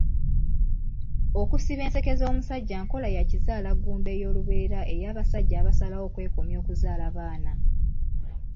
Okusiba enseke z’omusajja nkola ya kizaalaggumba ey’olubeerera ey’abasajja abasalawo okwekomya okuzaala baana.